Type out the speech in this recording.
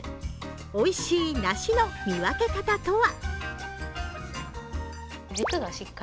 おいしい梨の見分け方とは？